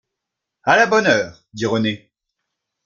À la bonne heure, dit Renée.